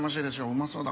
うまそうだ